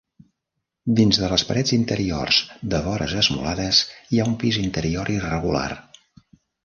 Dins de les parets interiors de vores esmolades hi ha un pis interior irregular.